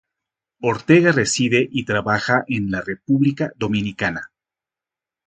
Ortega reside y trabaja en la República Dominicana.